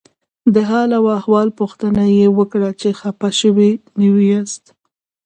د حال او احوال پوښتنه یې وکړه چې خپه شوي نه یاست.